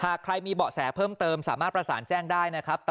ถ้าใครมีบอเสเพิ่มเติมสามารถประสานได้นะ